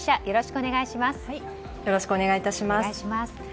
よろしくお願いします。